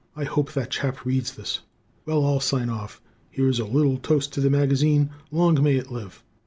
I hope that chap reads this. Well, I'll sign off. Here is a little toast to the magazine: "Long may it live."